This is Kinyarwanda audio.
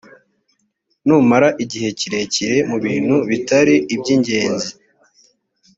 numara igihe kirekire mu bintu bitari iby ingenzi